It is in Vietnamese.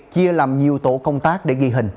chia làm nhiều tổ công tác để ghi hình